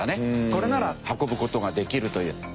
これなら運ぶ事ができるという。